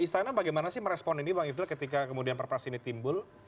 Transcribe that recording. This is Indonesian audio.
istana bagaimana sih merespon ini bang ifdal ketika kemudian perpres ini timbul